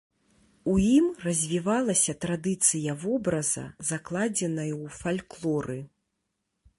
У ім развівалася традыцыя вобраза, закладзеная ў фальклоры.